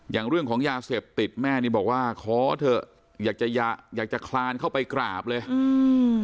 อย่างเรื่องของยาเสพติดแม่นี้บอกว่าขอเถอะอยากจะคลานเข้าไปกราบเลย